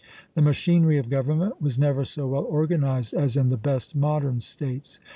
The machinery of government was never so well organized as in the best modern states.